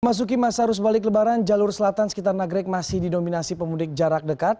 memasuki masa arus balik lebaran jalur selatan sekitar nagrek masih didominasi pemudik jarak dekat